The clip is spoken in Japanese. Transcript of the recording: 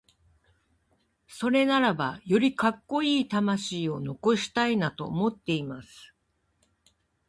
それならば、よりカッコイイ魂を残したいなと思っています。